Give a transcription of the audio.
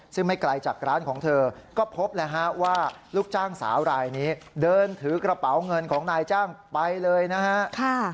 ซึ่งไม่ไกลจากร้านของเธอก็พบแล้วฮะว่าลูกจ้างสาวรายนี้เดินถือกระเป๋าเงินของนายจ้างไปเลยนะฮะ